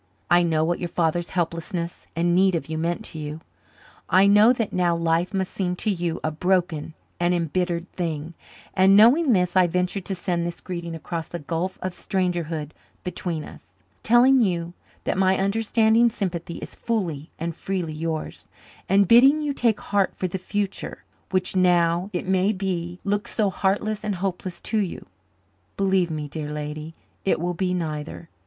I know what your father's helplessness and need of you meant to you. I know that now life must seem to you a broken and embittered thing and, knowing this, I venture to send this greeting across the gulf of strangerhood between us, telling you that my understanding sympathy is fully and freely yours, and bidding you take heart for the future, which now, it may be, looks so heartless and hopeless to you. Believe me, dear lady, it will be neither.